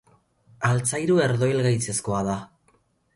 Altzairu herdoilgaitzezkoa da.